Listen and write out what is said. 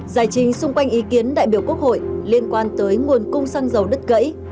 giải trình xung quanh ý kiến đại biểu quốc hội liên quan tới nguồn cung xăng dầu đứt gãy